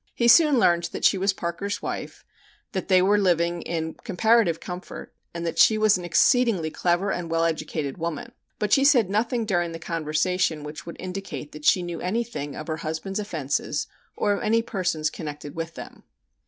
He soon learned that she was Parker's wife, that they were living in comparative comfort, and that she was an exceedingly clever and well educated woman, but she said nothing during the conversation which would indicate that she knew anything of her husband's offenses or of any persons connected with them.